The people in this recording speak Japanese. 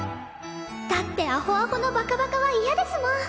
だってアホアホのバカバカは嫌ですもん